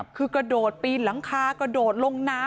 คือกระโดดปีนหลังคากระโดดลงน้ำ